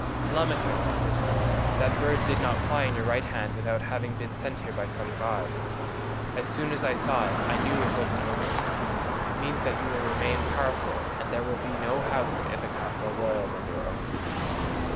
"Telemachus," said he, "that bird did not fly on your right hand without having been sent there by some god. As soon as I saw it I knew it was an omen; it means that you will remain powerful and that there will be no house in Ithaca more royal than your own."